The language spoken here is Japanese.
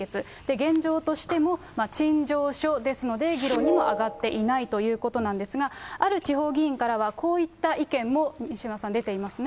現状としても、陳情書ですので、議論にも上がっていないということなんですが、ある地方議員からは、こういった意見も西山さん、出ていますね。